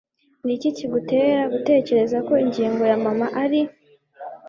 Niki kigutera gutekereza ko ingingo ya mama ari ...